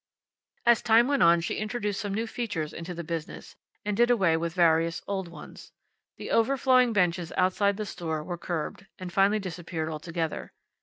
As time went on she introduced some new features into the business, and did away with various old ones. The overflowing benches outside the store were curbed, and finally disappeared altogether.